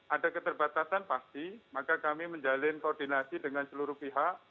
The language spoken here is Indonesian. ada keterbatasan pasti maka kami menjalin koordinasi dengan seluruh pihak